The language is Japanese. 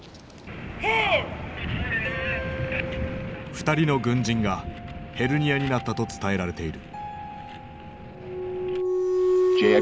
２人の軍人がヘルニアになったと伝えられている。